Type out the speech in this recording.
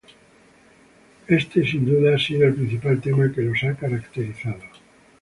Este sin duda ha sido el principal tema que los ha caracterizado.